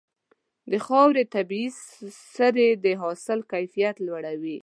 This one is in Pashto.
د خاورې طبيعي سرې د حاصل کیفیت لوړوي.